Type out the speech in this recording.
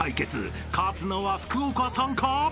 ［勝つのは福岡さんか？］